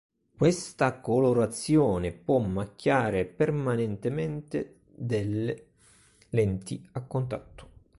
Questa colorazione può macchiare permanentemente delle lenti a contatto.